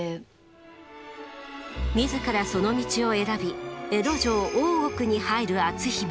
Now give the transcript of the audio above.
自らその道を選び江戸城大奥に入る篤姫。